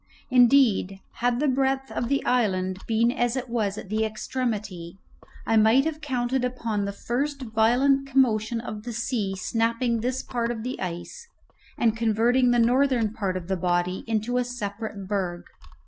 Indeed, had the breadth of the island been as it was at the extremity I might have counted upon the first violent commotion of the sea snapping this part of the ice, and converting the northern part of the body into a separate berg.